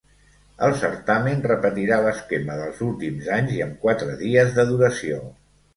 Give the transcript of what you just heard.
El certamen repetirà l’esquema dels últims anys i amb quatre dies de duració.